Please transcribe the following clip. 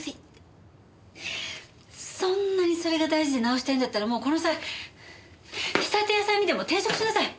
そんなにそれが大事で直したいんだったらもうこの際仕立て屋さんにでも転職しなさい！